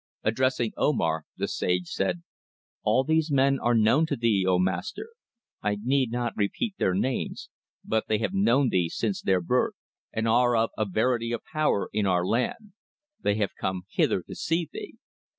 Addressing Omar, the sage said: "All these men are known to thee, O Master. I need not repeat their names, but they have known thee since their birth, and are of a verity a power in our land. They have come hither to see thee."